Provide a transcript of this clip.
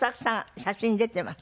写真出ています。